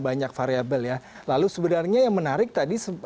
saya seperti ibu muda heart